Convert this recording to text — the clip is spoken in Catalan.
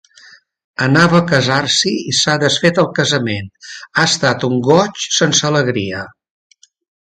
Anava a casar-s'hi i s'ha desfet el casament: ha estat un goig sense alegria.